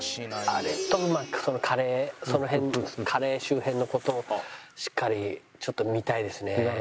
あれとその辺のカレー周辺の事をしっかりちょっと見たいですね。